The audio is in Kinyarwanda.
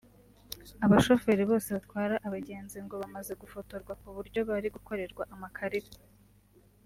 Abashoferi bose batwara abagenzi ngo bamaze gufotorwa ku buryo bari gukorerwa amakarita